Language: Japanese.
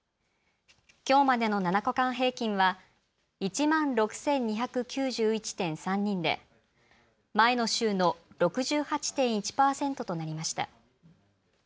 きょうまでの７日間平均は１万６２９１．３人で前の週の６８．１％となりました。